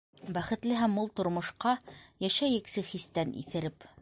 Бәхетле һәм мул тормошҡа Йәшәйексе хистән иҫереп.